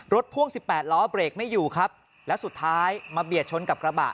พ่วงสิบแปดล้อเบรกไม่อยู่ครับแล้วสุดท้ายมาเบียดชนกับกระบะ